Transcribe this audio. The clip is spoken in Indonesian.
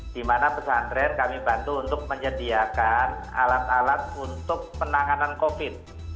di mana pesantren kami bantu untuk menyediakan alat alat untuk penanganan covid